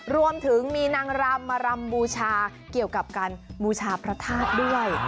รวมถึงมีนางรำมารำบูชาเกี่ยวกับการบูชาพระธาตุด้วย